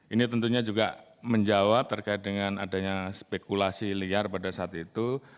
ini tentunya juga menjawab terkait dengan adanya spekulasi liar pada saat itu